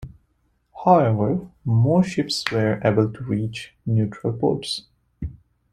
However, most ships were able to reach neutral ports.